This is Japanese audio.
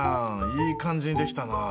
いい感じに出来たな。